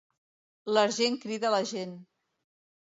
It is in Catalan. L'argent crida la gent.